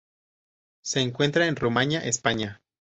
Se encuentra en Rumania España.